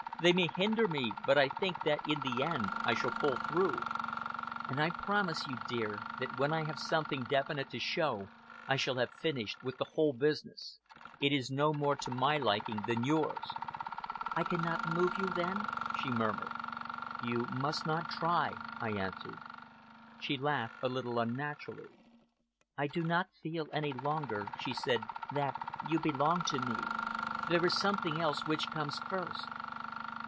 They may hinder me, but I think that, in the end, I shall pull through. And I promise you, dear, that when I have something definite to show, I shall have finished with the whole business. It is no more to my liking than yours." "I cannot move you then," she murmured. "You must not try," I answered. She laughed a little unnaturally. "I do not feel any longer," she said, "that you belong to me. There is something else which comes first."